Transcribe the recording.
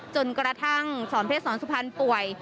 จนกระทั่งสอนเพศสอนสุพรรณป่วย